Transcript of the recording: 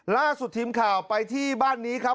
ล่าสุดทีมข่าวไปที่บ้านนี้ครับ